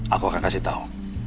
aku akan kasih tahu